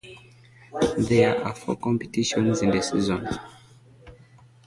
There are four competitions in the season.